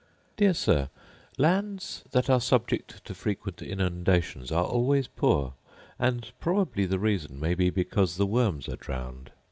Dear Sir, Lands that are subject to frequent inundations are always poor; and probably the reason may be because the worms are drowned.